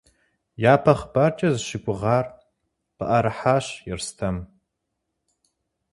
Япэ хъыбаркӏэ зыщыгугъар къыӏэрыхьащ Ерстэм.